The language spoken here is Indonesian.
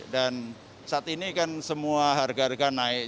dan saat ini kan semua harga harga naik